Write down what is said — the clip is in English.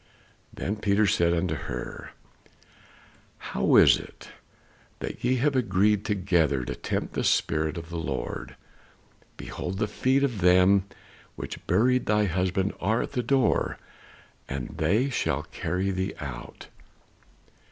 Then Peter said unto her, "How is it that ye have agreed together to tempt the Spirit of the Lord? Behold! the feet of them which buried thy husband are at the door, and shall carry thee out."